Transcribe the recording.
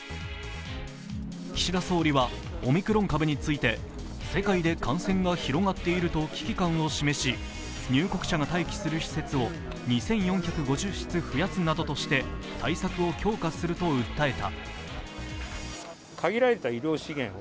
岸田総理はオミクロン株について、世界で感染が広がっていると危機感を示し、入国者が待機する施設を２４５０室増やすなどして対策を強化すると訴えた。